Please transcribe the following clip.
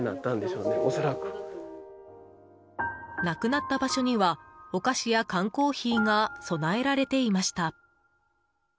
亡くなった場所にはお菓子や缶コーヒーが供えられていました。